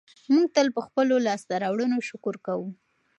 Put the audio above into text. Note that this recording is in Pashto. موږ تل په خپلو لاسته راوړنو شکر کوو.